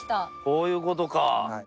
こういう事か。